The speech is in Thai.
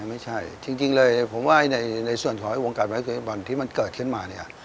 ไม่ใช่จริงเลยผมว่าในส่วนของวงการเว็บเล็บอลที่มันเกิดขึ้นมาเนี่ย